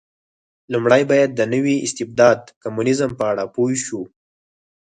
لومړی باید د نوي استبداد کمونېزم په اړه پوه شو.